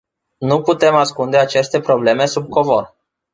Nu putem ascunde aceste probleme sub covor!